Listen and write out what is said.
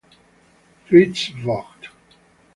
Fritz Vogt